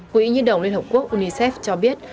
quỹ nhiên đồng liên hợp quốc cho biết